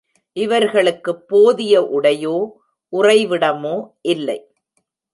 இவர்களுக்குப் போதிய உடையோ, உறைவிடமோ இல்லை.